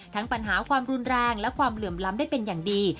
ปัญหาความรุนแรงและความเหลื่อมล้ำได้เป็นอย่างดี